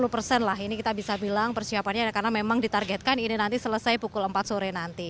lima puluh persen lah ini kita bisa bilang persiapannya karena memang ditargetkan ini nanti selesai pukul empat sore nanti